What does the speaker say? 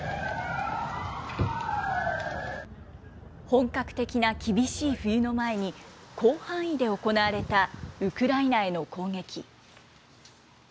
本格的な厳しい冬の前に、広範囲で行われたウクライナへの攻撃。